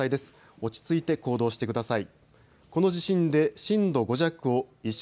落ち着いて行動してください。